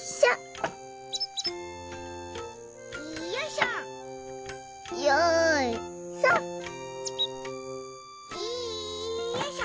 いよいしょ！